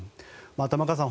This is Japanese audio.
玉川さん